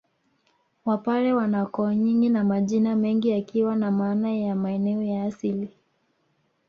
Wapare wana koo nyingi na majina mengi yakiwa na maana ya maeneo ya asili